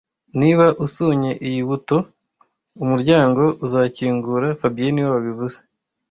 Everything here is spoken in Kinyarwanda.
Niba usunye iyi buto, umuryango uzakingura fabien niwe wabivuze